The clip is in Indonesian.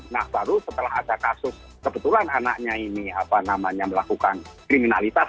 nah baru setelah ada kasus kebetulan anaknya ini apa namanya melakukan kriminalitas